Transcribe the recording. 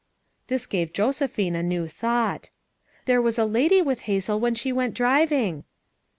This gave Josephine a new thought. "There was a lady with Hazel when she went driving."